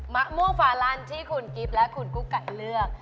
มะม่วงฟาลันที่คุณกิฟต์และคุณกุ๊กไก่เลือก